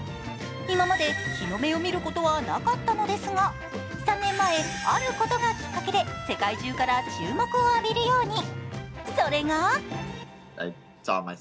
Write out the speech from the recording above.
今まで、日の目を見ることはなかったのですが３年前、あることがきっかけで世界中から注目を浴びるように。